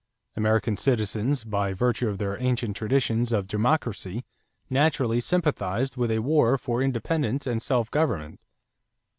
American citizens, by virtue of their ancient traditions of democracy, naturally sympathized with a war for independence and self government.